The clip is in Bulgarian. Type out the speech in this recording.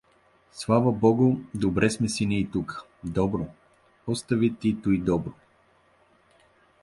Слава богу, добре сме си ний тука… — Добро… Остави ти туй добро!